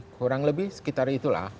kurang lebih sekitar itulah